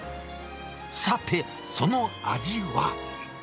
さて、その味は？